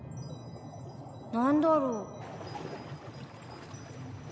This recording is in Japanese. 何だろう？